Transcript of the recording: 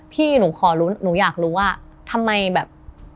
พี่หนูอยากรู้ว่าทำไมแบบ